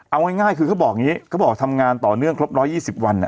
เอาง่ายคือเขาบอกอย่างนี้เขาบอกทำงานต่อเนื่องครบ๑๒๐วัน